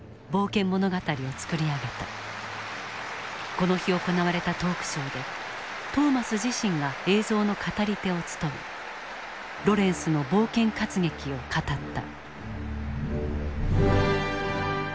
この日行われたトークショーでトーマス自身が映像の語り手を務めロレンスの冒険活劇を語った。